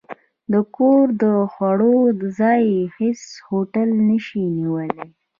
د کور د خوړو، ځای هېڅ هوټل نه شي نیولی.